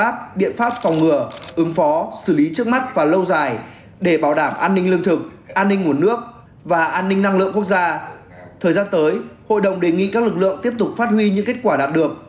thời gian tới hội đồng đề nghị các lực lượng tiếp tục phát huy những kết quả đạt được